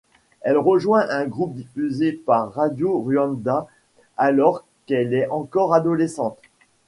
Elle rejoint un groupe diffusé par Radio Rwanda, alors qu'elle est encore adolescente.